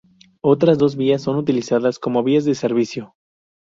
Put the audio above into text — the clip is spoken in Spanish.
Otras dos vías son utilizadas como vías de servicio.